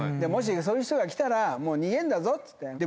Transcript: もしそういう人が来たら逃げんだぞっつって。